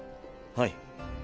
はい。